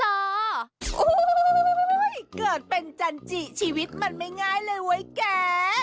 โอ้โหเกิดเป็นจันจิชีวิตมันไม่ง่ายเลยเว้ยแก